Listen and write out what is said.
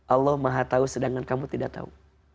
allah maha tahu sedangkan kamu tidak tahu